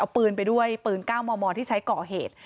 เอาปืนไปด้วยปืน๙มมที่ใช้ก่อเหตุ